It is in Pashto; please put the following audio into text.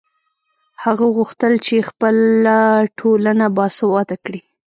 هغه غوښتل چې خپله ټولنه باسواده کړي.